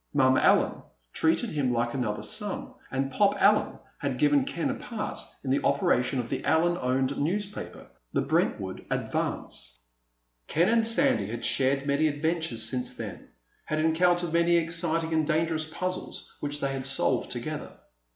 Mom Allen treated him like another son, and Pop Allen had given Ken a part in the operation of the Allen owned newspaper, the Brentwood Advance. Ken and Sandy had shared many adventures since then; had encountered many exciting and dangerous puzzles which they had solved together.